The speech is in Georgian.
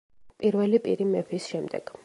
პირველი პირი მეფის შემდეგ.